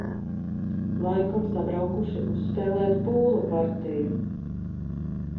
Laikam sabraukuši uzspēlēt pūla partiju.